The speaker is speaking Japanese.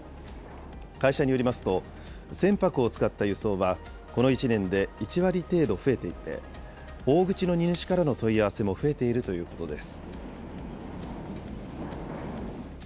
会社によりますと、船舶を使った輸送は、この１年で１割程度増えていて、大口の荷主からの問い合わせも増えているということです。